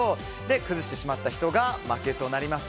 崩してしまった人が負けとなります。